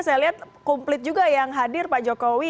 saya lihat komplit juga yang hadir pak jokowi